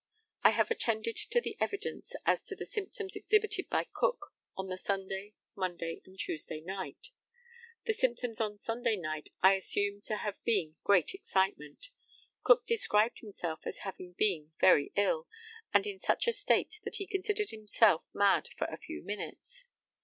I have attended to the evidence as to the symptoms exhibited by Cook on the Sunday, Monday, and Tuesday night. The symptoms on Sunday night I assume to have been great excitement. Cook described himself as having been very ill, and in such a state that he considered himself mad for a few minutes.